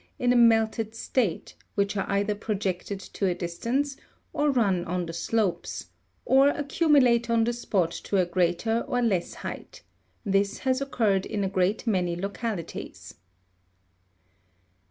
in a melted state, which are either projected to a distance, or run on the slopes, or accumulate on the spot to a greater or less height ; this has occurred in a great many localities.